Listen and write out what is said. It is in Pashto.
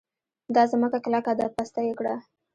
دا ځمکه کلکه ده؛ پسته يې کړه.